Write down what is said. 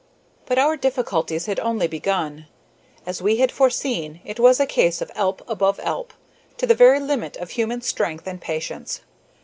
But our difficulties had only begun. As we had foreseen, it was a case of Alp above Alp, to the very limit of human strength and patience.